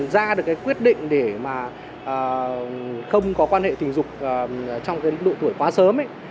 ra được cái quyết định để mà không có quan hệ tình dục trong cái độ tuổi quá sớm ấy